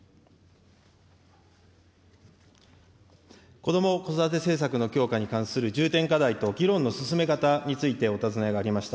子ども・子育て政策の強化についての重点課題と議論の進め方について、お尋ねがありました。